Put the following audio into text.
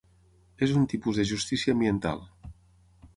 És un tipus de justícia ambiental.